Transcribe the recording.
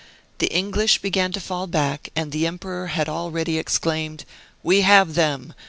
The English began to fall back, and the emperor had already exclaimed: 'We have them!